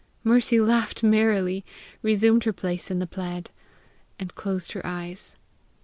Mercy laughed merrily, resumed her place in the plaid, and closed her eyes.